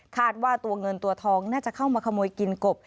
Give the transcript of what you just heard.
ว่าตัวเงินตัวทองน่าจะเข้ามาขโมยกินกบ